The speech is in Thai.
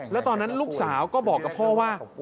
แล้วตอนนั้นลูกสาวก็บอกกับพ่อว่า